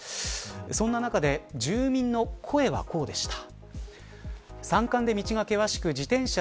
そんな中で住民の声はこうでした。